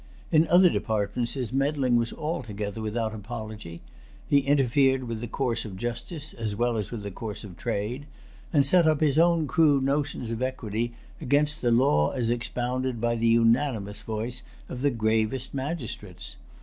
In other departments his meddling was altogether without apology. He interfered with the course of justice as well as with the course of trade; and set up his own crude notions of equity against the law as expounded by the unanimous voice of the gravest magistrates.